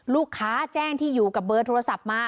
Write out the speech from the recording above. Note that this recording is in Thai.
แจ้งที่อยู่กับเบอร์โทรศัพท์มา